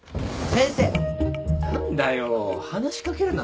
先生。